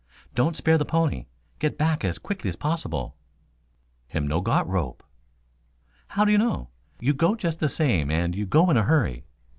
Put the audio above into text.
Don't spare the pony. Get back as quickly as possible." "Him no got rope." "How do you know? You go just the same and you go in a hurry.